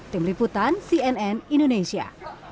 tim liputan cnn indonesia